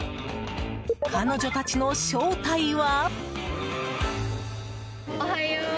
彼女たちの正体は？